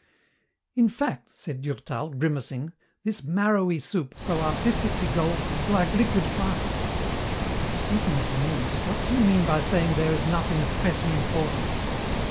"In fact," said Durtal, grimacing, "this marrowy soup, so artistically golden, is like liquid fire. But speaking of the news, what do you mean by saying there is nothing of pressing importance?